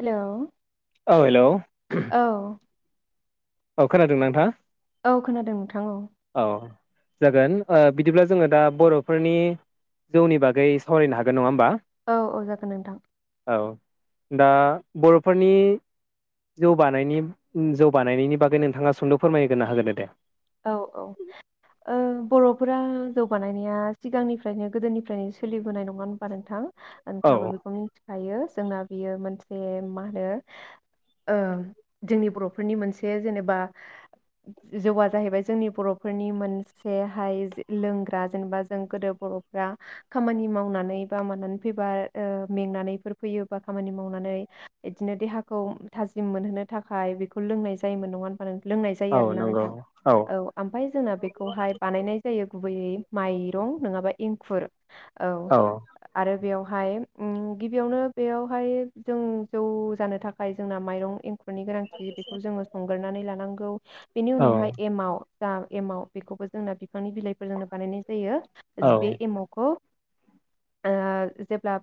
हेल' औ हेल' औ खोनादों नोंथाङा औ खोनादों नोंथां औ जागोन बिदिब्ला जोङो दा बर'फोरनि जौनि बागै सावरायनो हागोन नङा होमबा औ औ जागोन नोंथां औ दा बर'फोरनि जौ बानायनि जौ बानायनायनि बागै नोंाङा सुंद' फोरमायनोगोना होगोनो दे औ औ बर'फोरा जौगानायनाया सिगांनिफ्रायनो गोदोनिफ्रायनो सोलिबोनाय नङा होनोमबा नोंथां नोंहाबो औ बेखौ मिथिखायो जोंना बेयो मोनसे मा होनो ओ जोंनि बर'फोरनि मोनसे जेनेबा ज जाहैबाय जोंनि बर'फोरनि मोनसेहाय लोंग्रा जेनेबा जों गोदो बर'फ्रा खामानि मावनानै बा मानानै फैबा ओ मेंनानैफोर फैयोबा खामानि मावनानै इदिनो देहाखौ थाजिम मोनहोनो थाखाय बेखौ लोंनाय जायोमोन नङा ओ लोंनाय जायो औ आरोना नंगौ नोंथां औ ओमफ्राय जोंना बेखौहाय बानायनाय जायो गुबैयै माइरं नङाबा एंखुर औ आरो बेयाव हाय ओ गिबियावनो बेयावहाय जों जौ जानो थाखाय जोंना माइरं एंखुर फोरनि गोनांथि बेखौ जोङो संगोरनानै लानांगौ बेनि औ उनावहाय जा एमाव बेखौबो जोंना बिफांनि बिलाइफोरजोंनो बानायनाय जायो औ बे एमावखौ जेब्ला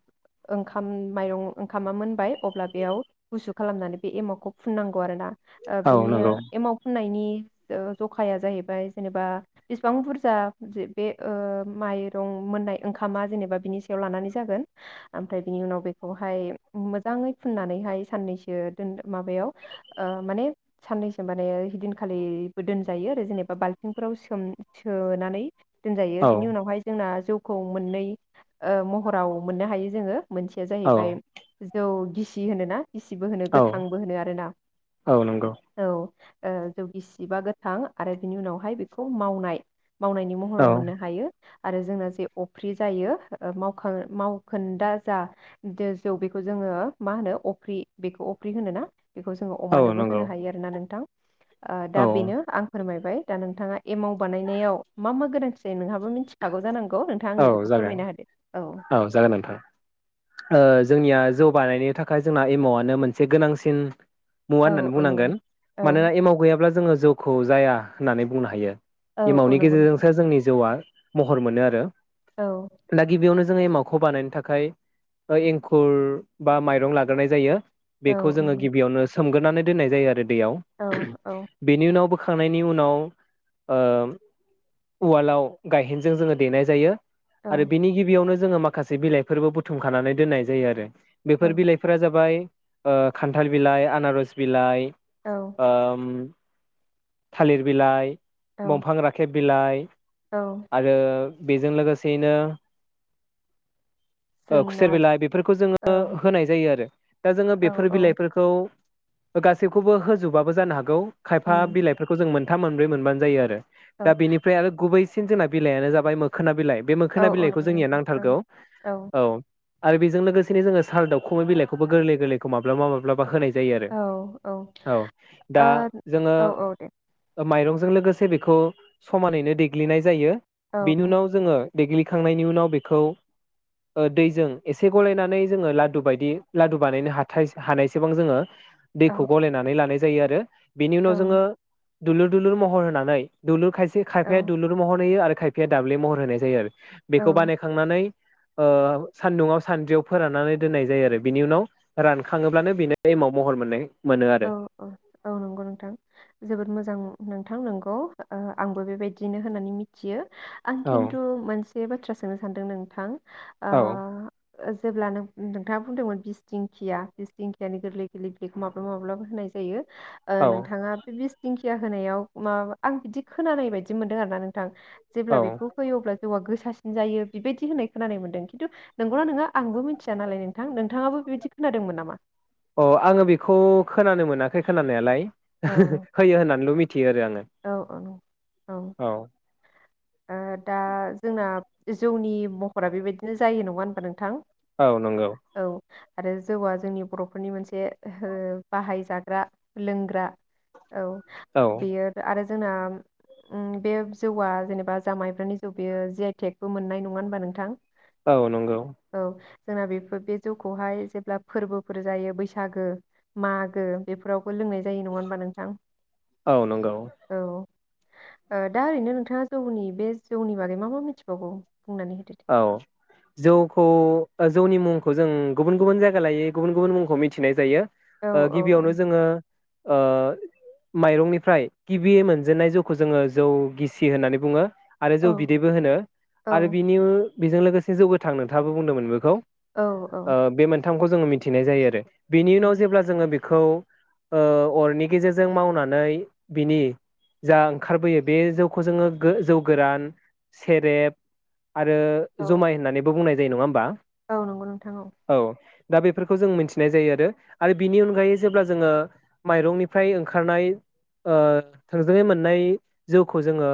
ओंखाम माइरं ओंखामा मोनबाय अब्ला बेयाव गुसु खालामनानै बे एमावखौ फुननांगौ आरो ना ओ औ बिनिया नंगौ एमाव फुननायनि ओ जखाया जाहैबाय जेनेबा बेसेबां बुरजा बे माइरं मोननाय ओंखामा जेनेबा बिनि सायाव लानानै जागोन ओमफ्राय बिनि उनाव बेखौहाय मोजाङै फुननानैहाय साननैसो माबायाव माने साननैसो माने हिदिनखालि दोनजायो आरो जेनेबा बाल्थिंफोराव सोम सोनानै दोनजायो औ बिनि उनावहाय जोंना जौ खौ मोननै ओ महराव मोननो हायो जोङो। मोनसेया औ जाहैबाय जौ गिसि होनो ना? गिसिबो होनो औ गोथांबो होनो आरोना औ नंगौ औ ओ जौ गिसि जिबा गोथां आरो बिनि उनावहाय बेखौ मावनाय मावनायनि औ महराव मोननो हायो। आरो जोंङो जे अफ्रि जायो ओ मावखो मावखोन्दा जा जौ बेखौ जोङो मा होनो अफ्रि बेखौ अफ्रि होनोना? बेखौ जोङो औ अमानोबो नंगौ होनो हायो आरोना नोंथां। आ औ दा बेनो आं फोरमायबाय बाइ दा नोंथाङा एमाव बानायनायाव मा मा गोनांथि जायो नोंहाबो मिथिखागौ जानांगौ? नोंखौ नोंथां औ आंनो बेखौ जागोन फोरमायना होदो औ औ जागोन नोंथां ओ जोंनिया जौ बानायनो थाखाय जोंना एमावआनो मोनसे गोनांसिन मुवा औ होननानै औ नंगौ बुंनांगोन नोंथां। औ मानोना एमाव गैयाब्ला जोङो जौखौ जाया होननानै बुंनो हायो। औ औ एमावनि नंगौ नोंथां गेजेरजोंसो जोंनि जौआ महर मोनो आरो औ दा गिबिआवनो जों एमावाखौ बानायनो थाखाय एंखुर बा माइरं लाग्रोनाय जायो। औ बेखौ जोङो नंगौ गिबियावनो सोमगोरनानै दोननाय जायो आरो बेयाव औ औ बेनि उनाव बो होखांनायनि उनाव ओ उवालाव गायहेनजों जोङो देनाय जायो। औ आरो बिनि गिबियावनो जोङो माखासे बिलाइफोरबो बुथुमखानानै दोननाय जायो आरो। औ बेफोर बिलाइफोरा जाबाय ओ खान्थाल बिलाइ आनारस बिलाइ औ ओम थालिर बिलाइ औ बंफां राखेब बिलाइ औ आरो बेजों लोगोसेयैनो जोंना खुसेर बिलाइ बेफोरखौ औ जोङो होनाय जायो आरो दा जोङो औ बेफोर औ बिलाइफोरखौ गासैखौबो होजोबाबो जानो हागौ खायफा उम बिलाइ खौ जों मोनथाम मोनब्रै मोनबानो जायो आरो औ दा बेनिफ्राय आरो गुबै बांसिन जोंना बिलाइआनो जाबाय मोखोना बिलाइ बे औ मोखोना औ बिलाइखौ नंगौ जोंनिया नोंथां औ नांथारगौ औ आरो बेजों लोगोसेनो जोङो सार दावखुमै बिलाइखौबो गोरलै गोरलैखौ माब्लाबा माब्लाबा होनाय जायो आरो औ औ दा जोङो औ औ दे माइरंजों लोगोसे बेखौ समानैनो देग्लिनाय जायो औ बेनि उनाव जोङो देग्लिखांनायनि उनाव बेखौ दैजों एसे गलायनानै जोङो लादु बायदि लादु बानायनो ह हानायसेबां जोङो दैखौ औ गलायनानै लानाय जायो आरो बिनि औ उनाव जोङो दुलुर दुलुर महर होनानै दुलुर खायसे एसे खायफाया औ दुलुर महर होयो आरो खायफाया दाब्लि महर होनाय जायो आरो बेखौ औ बानायखांनानै ओ सान्दुंआव सानद्रिआव फोराननानै दोननाय जायो आरो बिनि उनाव रानखाङोब्लानो बेनि एमाव महर मोननाय मोनो आरो औ औ औ नंगौ नोंथां जोबोद मोजां मोजां नोंथां नंगौ ओ आंबो बेबायदिनो होननानै मिथियो। आं औ खिन्थु मोनसे बे बाथ्रा सोंनो सानदों नोंथां। आ औ जेब्ला न नोंथाङा बुंदोंमोन बिसथिंखिया बिसथिंखियानि गोरलै गोरलै बेग माब्लाबो होनाय जायो। ओ औ नोंथाङा बे बिस दिंखिया होनायाव मा आं बिदि खोनानाय बायदि मोनदों आरो ना नोंथां। जेब्ला औ बेखौ होयो अब्ला जौआ गोसा सिन जायो बेबायदि होननाय खोनानाय मोनदों खिन्थु नंगौना नङा आंबो मिथिया नालाय नोंथां नोंथाङाबो बेबायदि खोनादोंमोन नामा? अ आङो बेखौ खोनानो मोनाखै खोनानायालाय औ होयो होन्नानैल' मिथियो आरो आङो औ औ नंगौ। औ। ओ दा जोंना जौनि महरा बेबायदिनो जायो नङा होनबा नोंथां। औ नंगौ। औ आरो जौआ जोंनि बर'फोरनि मोनसे ओ बाहायजाग्रा लोंग्रा औ औ बेयो आरो जोंना उम बे जौआ जेनेबा जा माइब्रानि जौ बेयो जि आइ टेकबो मोननाय नङा होनबा नोंथां। औ नंगौ औ जोंना बेफोर बे जौखौहाय जेब्ला फोरबोफोर जायो बैसागो मागो बेफोरावबो लोंनाय जायो नङा होनबा नोंथां। औ नंगौ औ ओ दा ओरैनो नोंथाङा जौनि बे जौनि बागै मा मा मिथिबावगौ बुंनानै होदो दे औ जौखौ जौनि मुंखौ जों गुबुन गुबुन जायगा लायै गुबुन गुबुन मुंखौ मिथिनाय जायो। औ ओ औ गिबियावनो औ जोङो ओ माइरंनिफ्राय गिबियै मोनजेननाय जौखौ जोङो जौ गिसि होननानै बुङो। आरो जौ औ बिदैबो होनो औ आरो बेजों लोगोसे जौ गोथां नोंथाङाबो बुंदोंमोन बेखौ औ औ थामखौ जोङो मिथिनाय जायो आरो। बिनि उनाव जेब्ला जोङो बे खौ ओ अरनि गेजेरजों मावनानै बिनि जा ओंखारबोयो बे जौखौ जोङो गो जौ गोरान सेरेब आरो औ जुमाय होननानैबो बुंनाय जायो नङा होमबा। औ। दा बेफोरखौ जों मिन्थिनाय जायो आरो। आरो बिनि अनगायै जेब्ला जोङो माइरंनिफ्राय ओंखारनाय ओ थोंजोङै मोननाय जौखौ जोङो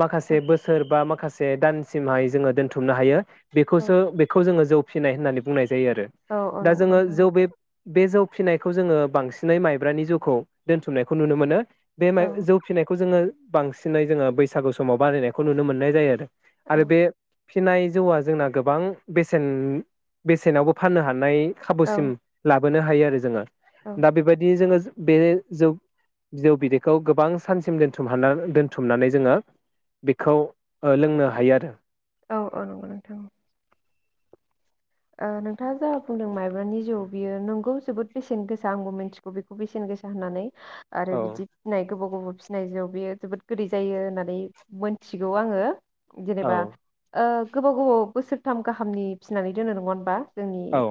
माखासे बोसोर बा मा - माखासे दान सिमहाय जोङो दोनथुमनो हायो औ बेखौसो बेखौ जोङो जौ फिनाय होननानै बुंनाय जायो आरो। औ औ दा नंगौ जोङो नोंथां जौ बे - बे जौ फिनायखौ जोङो बांसिनै माइब्रानि जौखौ दोनथुमनायखौ नुनो मोनो। बे औ माइ जौ फिनायखौ जोङो बांसिनै जोङो बैसागु समाव बानायनायखौ नुनो मोननाय जायो आरो। आरो बे फिनाय जौआ जोंना गोबां बेसेन बेसेनावबो फाननो हानाय औ खाबुसिम ला बोनो हायो आरो जोङो। औ दा बेबायदिनो जोङो बे जौ बिजौ बिदैखौ गोबां सानसिम दोनथुम हाना दोनथुमनानै जोङो बेखौ लोंनो हायो आ‌ रो। औ औ नंगौ नोंथां। ओ नोंथाङा जा बुंदों माइब्रानि जौ बियो नंगौ जोबोद बेसेन गोसा आंबो मिन्थिगौ बेखौ बेसेन गोसा होननानै। आरो औ बिदि फिनाय गोबाव गोबाव फिनाय जौ बेयो जोबोद गोदै जायो होननानै मोन्थिगौ आंङो। औ जेनेबा ओ गोबाव गोबाव बोसोरथाम गाहामनि फिनानै दोनो नङा होमबा? औ जोंनि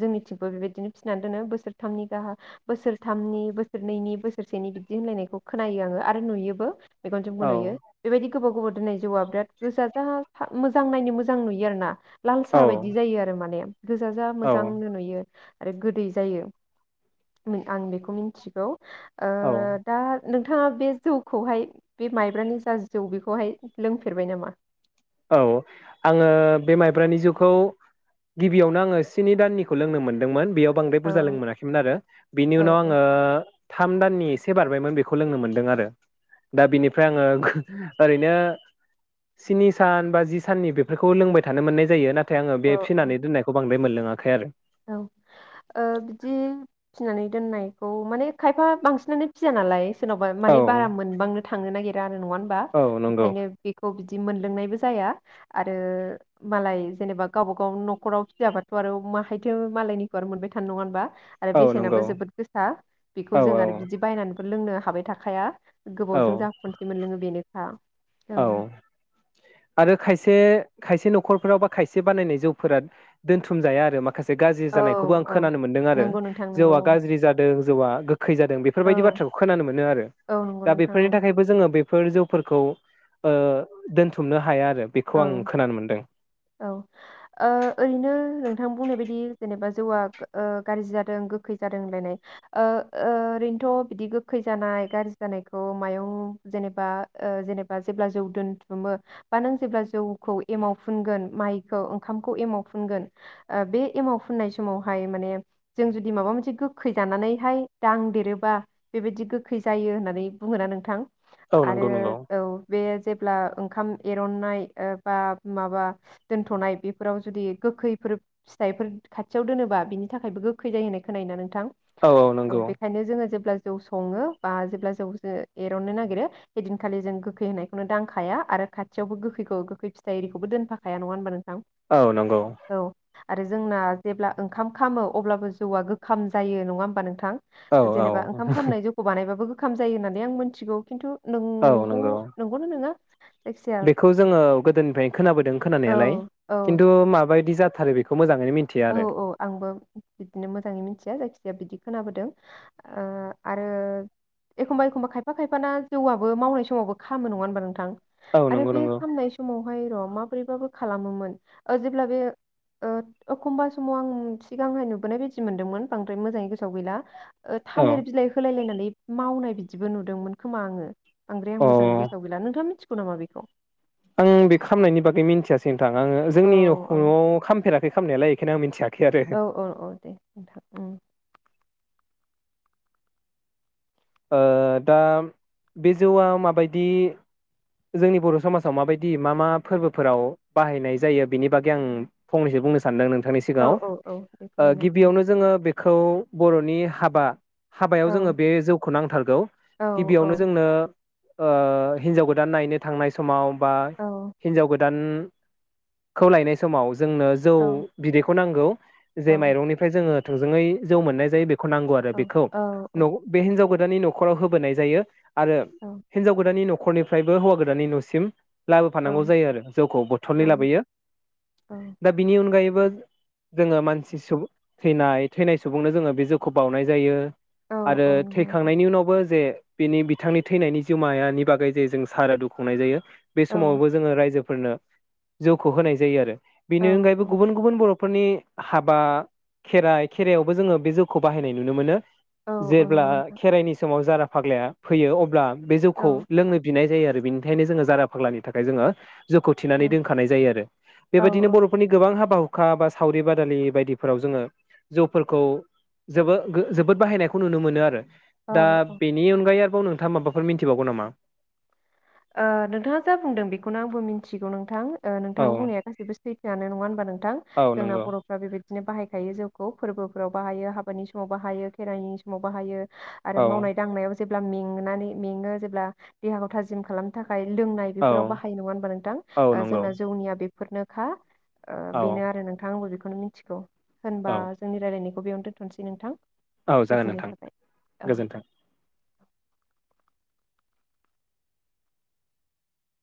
जोंनिथिं बो बेबायदिनो फिनानै दोनो बोसोरथामनि गाह बोसोरथामनि बोसोरनैनि बोसोरसेनि बिदि होनलायनायखौ खोनायो आङो आरो नुयोबो मेगनजोंबो नुयो। बेबायदि गोबाव गोबाव दोननाय जौआ बिराद गोजा जा फा मोजां नायनो मोजां नुयो आरोना। लाल औ सा बाय दि जायो आरो माने। गोजाजा औ मोजांनो नुयो। आरो गोदै जायो आं बेखौ मिथिगौ। ओ औ दा नोंथाङा बे जौखौहाय बे माइब्रानि जा जौ बेखौहाय लोंफेरबाय नामा? औ आंङो बे माइब्रानि जौखौ गिबियावनो आंङो स्नि दाननिखौ लोंनो मोनदोंमोन। बेयाव बांद्राय औ बुरजा लोंनो मोनाखैमोन आरो। बिनि औ उनाव औ आङो थाम दाननि एसे बारबायमोन बेखौ लोंनो मोनदों आरो दा बिनिफ्राय आङो ओरैनो स्नि सान बा जि साननि बेफोरखौ लोंबाय थानो मोननाय जायो। नाथ नाथाय आंङो औ बे औ फिसिनानै दोननायखौ बांद्रा मोन लोङाखै आरो। औ ओ बिदि फिनानै दोननायखौ माने खायफा बांसिनानो फिसिया नालाय। सोरनावबा औ माने बारा मोनबांनो थांनो नागिरा नङा होमबा औ नंगौ बेखायनो बिखौ मोनलोंनायबो जाया आरो मालाय जेनेबा गावबा गाव नख'राव हिदाबाथ' आरो माहै थेवबो मालायनिफोर मोनबाय थानाय नङा होमबा? आरो औ बेसेनाबो नंगौ जोबोद गोसा औ बेखौ जों आरो औ बिदि बायनानै लोंनो हाबाय थाखाया औ गोबावजों जा खनसे मोनलोङो बेनो औ औ आरो खायसे खायसे न'खरफोराव बा खायसे बानायनाय जौफोरा दोनथुम जाया आरो मा खासे गाज्रि औ जानायखौबो आं औ खोनानो मोन्दों आरो नंगौ नोंथां नंगौ जउआ गाज्रि जादों जौआ गो खैजादों औ बेफोरबायदि बाथ्राखौ खोनानो मोनो आरो औ नंगौ दा नोंथां औ बेफोरनि थाखायबो जोङो बे बेफोर जौफोरखौ ओ दोनथुमनो हाया आरो बेखौ औ आं खोनानो मोनदों औ ओ ओरैनो नोंथां बुंनाय बायदि जेनेबा जौआ गाज्रि जादों गोखै जादों होनलायनाय ओ ओरैनोथ' बिदि गोखै जानाय गाज्रि जानायखौ मायं जेनेबा जेनेबा जेब्ला जौ दोनथुमो बा नों जेब्ला जौखौ एमाव फुनगोन माइखौ ओंखामखौ एमाव फुनगोन बे एमाव फुननाय समावहाय माने जों जुदि माबा मोनसे गोखै जानानैहाय दांदेरोबा बेबायदि गोखै जायो होननानै बुङोना नोंथां? औ आरो नंगौ नंगौ औ बे जेब्ला ओंखाम एर रननाय ओ बा माबा दोन्थ'नाय बेफोराव जुदि गोखैफोर फिथाइफोर खाथियाव दोनोबा बिनि थाखायबो गोखै जायो होननाय खोनायो ना नों थां औ बेखायनो जोङो जेब्ला जौ सङो बा जेब्ला जौ जो एरननो नागिरो बेदिनखालि जों गोखै होनायखौनो दांखाया आरो खाथि थियावबो गोखैखौ गोखै फिथाइखौबो दोनफाखाया नङा होनबा नों औ नंगौ आरो जोंना जेब्ला ओंखाम खामो अब्लाबो जौआ गोखाम जायो नङा होमबा नोंथां औ जेनेबा औ ओंखाम खामनाय जौखौ बानायबाबो ओंखाम जायो होननानै आं मिथिगौ खिन्थु औ नोंगौ नंगौ नंगौना नङा जायखिजाया बेखौ जोङो गोदोनिफ्रायनो खोनाबोदों औ खोनानायालाय खिन्थु माबायदि जा थारो बेखौ मोजां औ-औ आंबो बिदिनो मोजाङै मिथिया जायखिजाया बिदि खोनाबोदों ओ आरो एखमबा-एखमबा खायफा-खायफाना जौआबो मावनाय समावबो खामो नङा होनबा नोंथां औ आरो नंगौ बे नंगौ खामनाय समावहाय र' माब्रैबाबो खालामोमोन ओ जेब्ला बे ओ एखमबा समाव आं सिगांहाय नुबोनाय बायदि मोनदोंमोन बांद्राय मोजाङै गोसोआव गैला ओ औ थालिर बिलाइ होलाय लायनानै मावनाय बिदिबो नुदोंमोन खोमा आङो बांद्राय आं अ मोजां गोसोआव गैला नथां मिथि बिखौ नामा बिखौ आं बे खामनायनि बागै मिनथियासै थाङ आङो औ जोंनि नखरआव खामफेराखै खाम‌ नायालाय बेखौनो मिथियाखै औ-औ-औ दे नोंथां उम ओ दा बे जौ आ माबायदि जोंनि बर‌' समाजाव माबायदि मा- मा फोरबोफोराव बाहायनाय जायो बेनि बागै आं फंनैसो बुंनो सानदों नोंथां नोंथांनि औ सिगाङाव औ औ दे ओ फोरमायना होदो गिबियावनो नोंथां जोङो बेखौ बर'नि हाबा हाबायाव औ जोङो बे जौखौ नांथारगौ औ औ गिबियावनो जोंनो ओ‌ हिनजाव गोदान गोदान नायनो थांनाय समाव बा औ हिनजाव गोदान गोदान खौ लायनाय समाव जों जोंनो जौ औ बिदैखौ नांगौ औ जे माइरंनिफ्राय जोङो थोंजोङै जौ मोननाय जायो बे होनांगौ आरो औ बेखौ औ न‌व बे हिनजाव गोदान बिदानि न'खराव होबोनाय जायो आरो हिनजाव गोदाननि नखर नि निफ्रायबो हौवा गोदाननि नसिम लाबोफानांगौ औ जायो आरो जौखौ बथलै औ लाबोयो औ दा बिनि अनगायैबो बो जोङो मानसि सुबुं थैनाय थैनाय सुबुंनो जोङो बे जौखौ बावउनाय जायो आरो नंगौ नोंथां थैखांनायनि उनावबो जे बिनि बिथांनि थैनायनि जिमानि बागै जे जोङो सारादु खुंनाय जायो बे औ समावबो जोङो रायजोफो फोरनो जौखौ होनाय जायो आरो बेनि औ औ अनगायैबो गुबुन गुबुन बर फोरनि हाबा खेराइ खेराइयावबो जोङो बे जौखौ बाहायनाय नुनो मोनो औ औ जेब्ला नंगौ नोंथां खेराइनि समाव जारा फा फाग्लाया फैयो अब्ला बे जौखौ औ लोंनो नाय जायो आरो बेनि थाखायायनो जोङो जारा फाग्लानि थाखाय जोङो जौखौ औ थिनानै दोनखानाय जायो आरो बेबायदिनो औ बर'फोरनि गोबां हाबा हुखा बा सावरि बादालि बायदिफोराव जोङो जौफोरखौ जोबो जोबोद बाहायनायखौ नुनो मोनो आरो औ दा औ औ बेनि अनगायै आरो बाव नोंथाङ माबाफोर मिथिबागौ नामा नोंथाङा जा बुंदों बेखौनो आंबो मिन्थिगौ नोंथां नोंथां औ बुंनाया गासैबो सैथोआनो नङा होनबा नोंथां औ जोंना नंगौ बर'फ्रा बेबायदि बिदिनो बाहायखायो जौखौ फोरबोफोराव बाहायो हाबानि समाव बाहायो खेराइनि समाव बाहायो आरो औ मावनाय दांनायाव जेबो मेंनानै मेङो जेब्ला देहाखौ थाजिम जिम खालामनो थाखाय खाय लोंनाय औ बेफोराव बाहायो नङा होनबा औ नोंथां नंगौ जोंना जौनिया बे फोरनोखा औ बेनो आरो नोंथां आंबो बेखौ बेखौनो मिथिगौ होनबा औ जोंनि रायलायनायखौ बेयाव दोनथ'नोसै नोंथां औ जागोन गोजोननाय नोंथां थाबाय औ गोजोन्थों